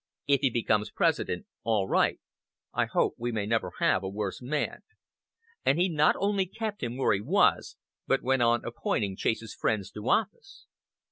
If he becomes President, all right. I hope we may never have a worse man," and he not only kept him where he was, but went on appointing Chase's friends to office.